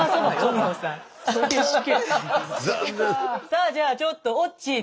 さあじゃあちょっとオッチー